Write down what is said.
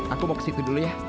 aku mau ke situ dulu ya